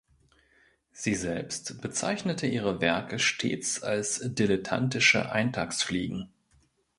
Sie selbst bezeichnete ihre Werke stets als dilettantische „Eintagsfliegen“.